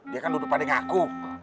dia kan duduk pandang aku